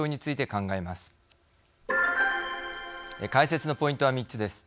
解説のポイントは３つです。